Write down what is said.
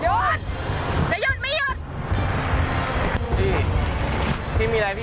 สวัสดีครับ